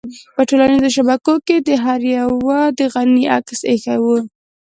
په ټولنيزو شبکو کې هر يوه د غني عکس اېښی وي.